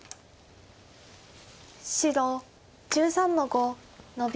白１３の五ノビ。